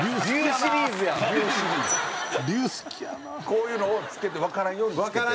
こういうのを着けてわからんようにしてて。